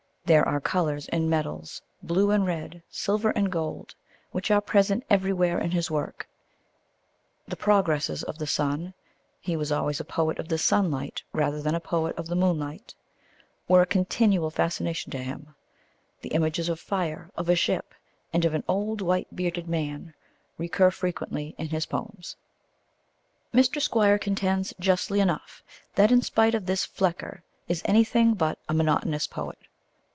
There are colours and metals, blue and red, silver and gold, which are present everywhere in his work; the progresses of the sun (he was always a poet of the sunlight rather than a poet of the moonlight) were a continual fascination to him; the images of Fire, of a ship, and of an old white bearded man recur frequently in his poems. Mr. Squire contends justly enough that in spite of this Flecker is anything but a monotonous poet.